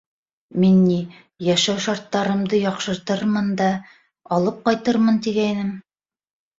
Мин, ни, йәшәү шарттарымды яҡшыртырмын да, алып ҡайтырмын, тигәйнем.